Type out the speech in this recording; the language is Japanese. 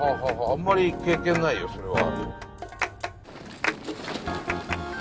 あんまり経験ないよそれは。